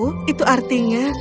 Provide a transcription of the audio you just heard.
bisa melihat aku itu artinya